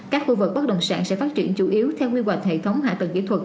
các khu vực bất động sản sẽ phát triển chủ yếu theo quy hoạch hệ thống hạ tầng kỹ thuật